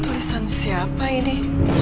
tulisan siapa ini